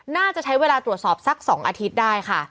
น่าจะใช้เวลาตรวจสอบสัก๒อาทิตย์ได้ค่ะ